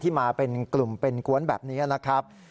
มาเป็นกลุ่มเป็นกวนแบบนี้นะครับ